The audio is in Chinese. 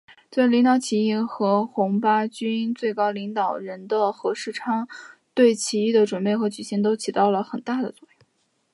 作为领导起义和红八军最高领导人的何世昌对起义的准备和举行都起了很大的作用。